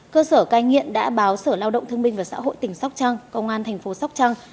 cơ sở cai nghiện đã báo sở lao động thương minh và xã hội tỉnh sóc trăng công an thành phố sóc trăng